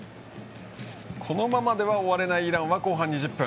このままでは終われないイランは後半２０分。